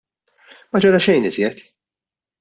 Ma ġara xejn iżjed!